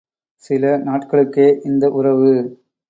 சில நாட்களுக்கே இந்த உறவு!